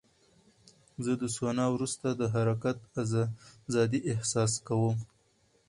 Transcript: زه د سونا وروسته د حرکت ازادۍ احساس کوم.